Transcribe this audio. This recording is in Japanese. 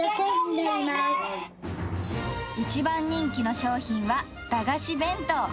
一番人気の商品は、駄菓子弁当。